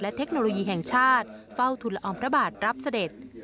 เทคโนโลยีแห่งชาติเฝ้าทุนละออมพระบาทรับเสด็จ